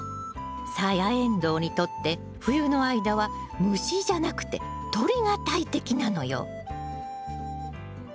サヤエンドウにとって冬の間は虫じゃなくて鳥が大敵なのよ。